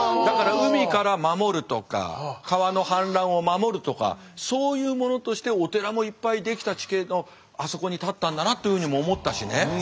だから海から守るとか川の氾濫を守るとかそういうものとしてお寺もいっぱい出来た地形のあそこに建ったんだなというふうにも思ったしね。